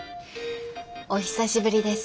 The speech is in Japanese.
お久しぶりです。